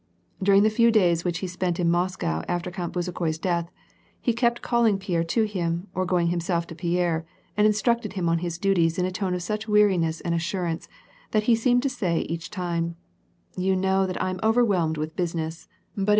Durii^ the few days which he spent in Moscow after Count Bezukhoi's death, he kept calling Pierre to him or going him self to Pierre and instructed him on his duties in a tone of such weariness and assurance that he seemed to say each time: * You know that I am overwhelmed with business ; but it WAR AND PS ACS.